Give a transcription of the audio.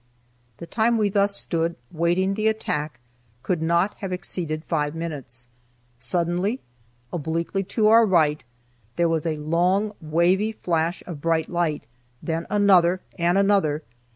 The time we thus stood, waiting the attack, could not have exceeded five minutes. Suddenly, obliquely to our right, there was a long, wavy flash of bright light, then another, and another!